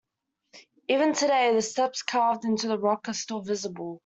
Even today, the steps carved into the rock are still visible.